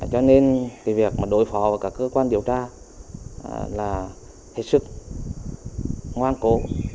cho nên việc đối phó với các cơ quan điều tra là hết sức ngoan cố